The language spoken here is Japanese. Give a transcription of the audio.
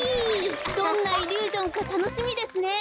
どんなイリュージョンかたのしみですね。